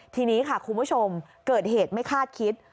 ทีนี้ค่ะคุณผู้ชมเกิดเหตุไม่คาดคิด